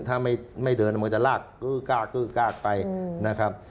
ถ้าไม่เดินมันจะลากกื้อกาดไปนะครับ